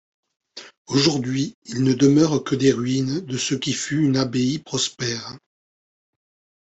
Aujourd'hui, il ne demeure que des ruines de ce qui fut une abbaye prospère.